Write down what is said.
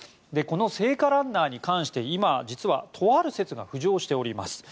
この聖火ランナーに関して今、実はとある説が浮上しております。